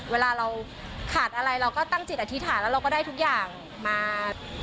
เวลาเราขาดอะไรเราก็ตั้งจิตอธิษฐานแล้วเราก็ได้ทุกอย่างมา